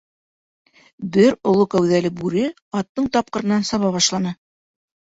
Бер оло кәүҙәле бүре аттың тапҡырынан саба башланы.